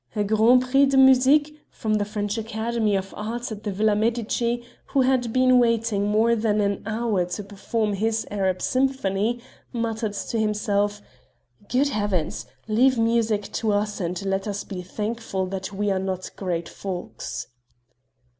A Grand Prix de Musique, from the French academy of arts at the Villa Medici, who had been waiting more than an hour to perform his "Arab symphony," muttered to himself: "Good heavens! leave music to us, and let us be thankful that we are not great folks!"